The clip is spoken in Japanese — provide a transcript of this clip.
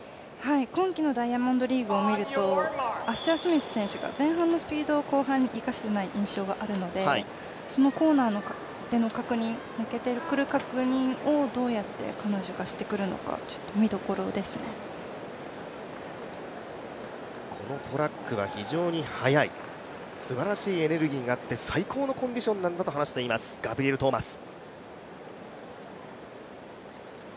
今季のダイヤモンドリーグを見ると、アッシャースミス選手が前半のスピードを後半に生かしていない印象があるので、そのコーナーでの確認、抜けてくる確認をどうやって彼女がしてくるのかこのトラックは非常に速い、すばらしいエネルギーになって最高のコンディションなんだと話しています、ガブリエル・トーマス。